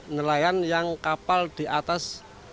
nelayan yang kapal di atas